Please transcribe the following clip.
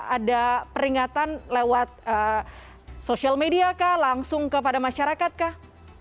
ada peringatan lewat sosial media kah langsung kepada masyarakat kah